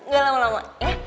gak lama lama ya